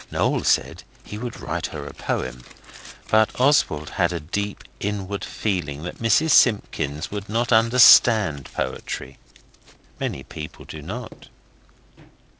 Noel said he would write her a poem, but Oswald had a deep, inward feeling that Mrs Simpkins would not understand poetry. Many people do not.